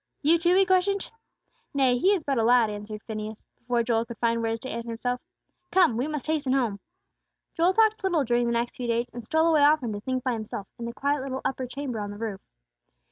"You, too?" he questioned. "Nay, he is but a lad," answered Phineas, before Joel could find words to answer him. "Come! we must hasten home." Joel talked little during the next few days, and stole away often to think by himself, in the quiet little upper chamber on the roof.